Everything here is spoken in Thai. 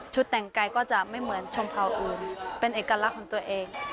แต่งกายก็จะไม่เหมือนชมเผาอื่นเป็นเอกลักษณ์ของตัวเอง